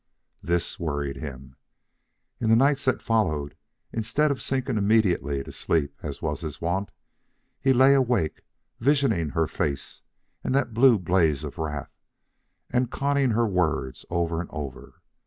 This worried him. In the nights that followed, instead of sinking immediately to sleep as was his wont, he lay awake, visioning her face and that blue blaze of wrath, and conning her words over and over.